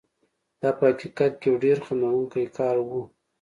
دا په حقیقت کې یو ډېر خندوونکی کار و.